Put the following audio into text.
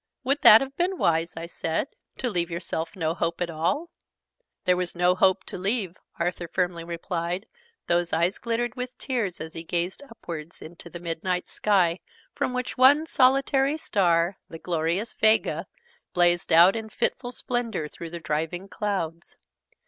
"Would that have been wise?" I said. "To leave yourself no hope at all?" "There was no hope to leave," Arthur firmly replied, though his eyes glittered with tears as he gazed upwards into the midnight sky, from which one solitary star, the glorious 'Vega,' blazed out in fitful splendour through the driving clouds.